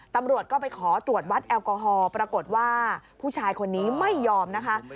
ตำรวจก็ไปขอตรวจวัดแอลกอฮอล์ปรากฏว่าผู้ชายคนนี้ไม่ยอมนะคะ